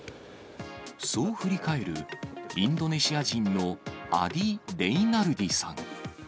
そう振り返る、インドネシア人のアディ・レイナルディさん。